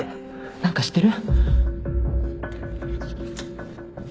何か知ってる？